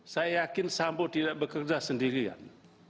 saya yakin sambo tidak bekerja sendirian